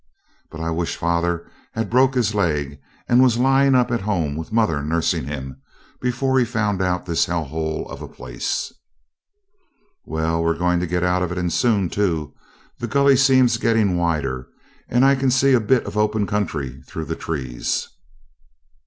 But I wish father had broke his leg, and was lying up at home, with mother nursing him, before he found out this hell hole of a place.' 'Well, we're going to get out of it, and soon too. The gully seems getting wider, and I can see a bit of open country through the trees.'